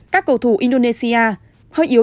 các cầu thủ indonesia hơi yếu